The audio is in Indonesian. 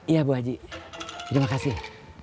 iya bu aji terima kasih